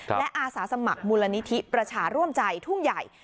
และอาสาสมัครมูลนิธิประชาร่วมใจทุ่งใหญ่